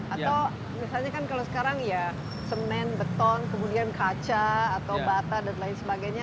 atau misalnya kan kalau sekarang ya semen beton kemudian kaca atau bata dan lain sebagainya